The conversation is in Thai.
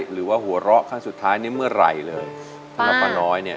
หรือว่าหัวเบลอขั้นสุดท้ายนี่เมื่อไหร่เลยป้าน้อยเนี่ย